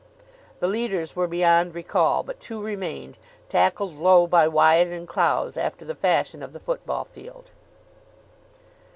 The leaders were beyond recall, but two remained, tackled low by Wyatt and Clowes after the fashion of the football field.